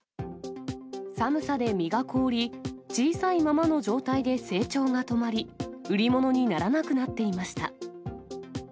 寒さで実が凍り、小さいままの状態で成長が止まり、売り物にならなくなっていました。